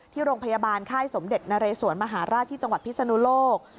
ที่โรงพยาบาลค่ายสมเด็จนเรสวนมหาราชที่จังหวัดพิศนุโลก